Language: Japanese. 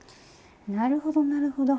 なるほどなるほど。